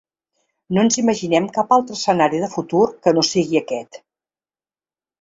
No ens imaginem cap altre escenari de futur que no sigui aquest.